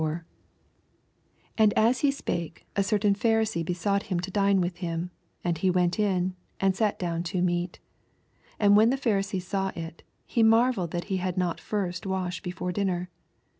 86 And as he Bpake, a certain Pha risee besought him to dine with him ; and he went in, and sat down to meat. 88 And when the Pharisee saw it, he marvelled that he had not first washed before dinner.